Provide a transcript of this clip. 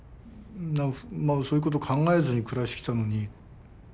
そういうこと考えずに暮らしてきたのに。